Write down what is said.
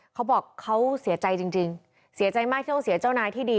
เขาบอกเขาเสียใจจริงเสียใจมากที่ต้องเสียเจ้านายที่ดี